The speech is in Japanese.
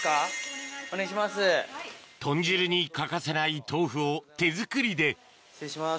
豚汁に欠かせない豆腐を手作りで失礼します